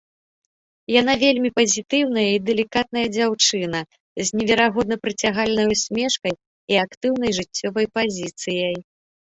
Яна вельмі пазітыўная і далікатная дзяўчына з неверагодна прыцягальнай усмешкай і актыўнай жыццёвай пазіцыяй.